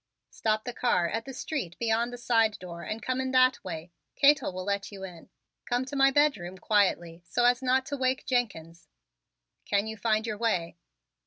"Stop the car at the street beyond the side door and come in that way. Cato will let you in. Come to my bedroom quietly so as not to wake Jenkins. Can you find your way?"